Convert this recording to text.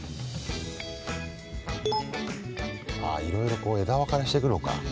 いろいろこう枝分かれしてくのか。